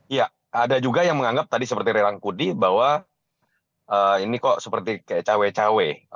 iya ada juga yang menganggap tadi seperti rerangkudi bahwa ini kok seperti kayak cawe cawe